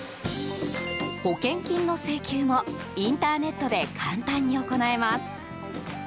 保険金の請求もインターネットで簡単に行えます。